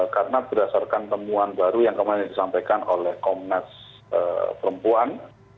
karena berdasarkan temuan baru yang kemudian disampaikan oleh komnas perempuan